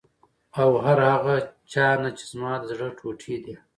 او هر هغه چا نه چې زما د زړه ټوټې دي،